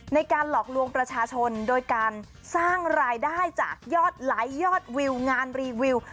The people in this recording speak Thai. ในการหลอกลวงประชาชนโดยการสร้างรายได้จากยอดไลค์ยอดวิวงานรีวิว